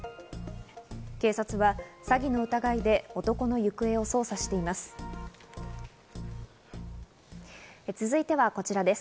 警察は詐欺の疑いで男の行方を捜査しています。